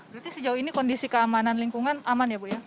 berarti sejauh ini kondisi keamanan lingkungan aman ya bu ya